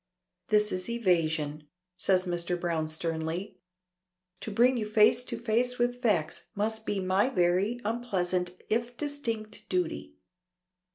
"This is evasion," says Mr. Browne sternly. "To bring you face to face with facts must be my very unpleasant if distinct duty.